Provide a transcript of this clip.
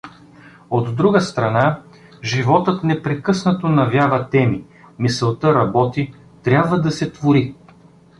От друга страна, животът непрекъснато навява теми, мисълта работи, трябва да се твори.